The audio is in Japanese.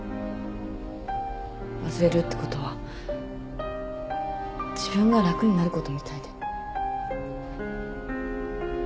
忘れるってことは自分が楽になることみたいで。